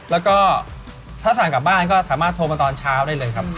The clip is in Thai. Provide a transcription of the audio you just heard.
แล้วก็ถ้าสั่งกลับบ้านก็สามารถโทรมาตอนเช้าได้เลยครับ